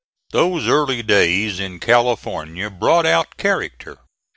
Those early days in California brought out character.